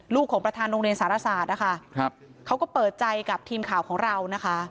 ลูกของประธานโรงเรียนศาลศาสตร์เขาก็เปิดใจกับทีมข่าวของเรา